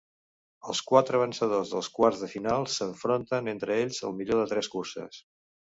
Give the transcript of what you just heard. Els quatre vencedors dels quarts de final s'enfronten entre ells al millor de tres curses.